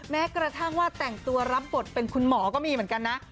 แม้กระทั่งว่าแต่งตัวรับบทเป็นคุณหมอก็มีเหมือนกันนะ